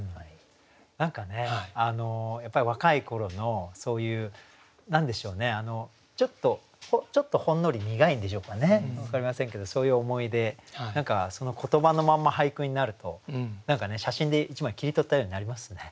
何かやっぱり若い頃のそういう何でしょうねちょっとほんのり苦いんでしょうかね分かりませんけどそういう思い出何かその言葉のまんま俳句になると写真で１枚切り取ったようになりますね。